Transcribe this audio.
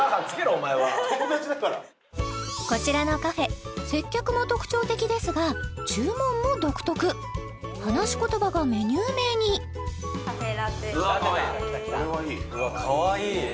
お前は友達だからこちらのカフェ接客も特徴的ですが注文も独特話し言葉がメニュー名にカフェラテですうわかわいいかわいい！